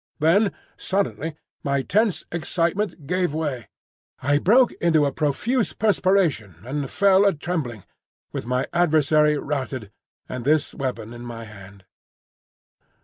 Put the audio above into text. Then suddenly my tense excitement gave way; I broke into a profuse perspiration and fell a trembling, with my adversary routed and this weapon in my hand.